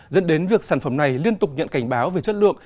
dẫn đến việc sản phẩm này liên tục nhận cảnh báo về chất lượng